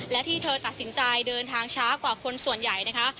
และที่เธอตัดสินใจเดินทางช้ากว่าคนส่วนใหญ่นะคะ